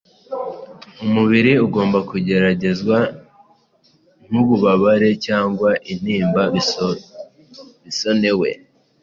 Umubiri ugomba kugeragezwa, Ntububabare cyangwa intimba bisonewe